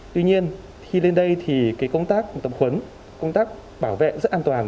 tuy nhiên khi lên đây thì công tác tập huấn công tác bảo vệ rất an toàn